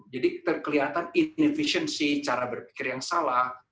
jadi terkelihatan inefficiency cara berpikir yang salah